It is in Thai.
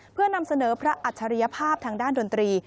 เพื่อนำเสนอพระอัจฉริยภาพทางด้านดนตรี